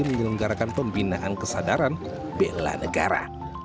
lagi menyelenggarakan pembinaan kesadaran bila negara